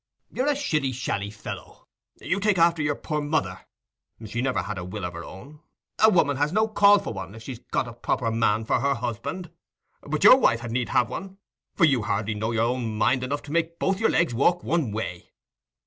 You're a shilly shally fellow: you take after your poor mother. She never had a will of her own; a woman has no call for one, if she's got a proper man for her husband. But your wife had need have one, for you hardly know your own mind enough to make both your legs walk one way.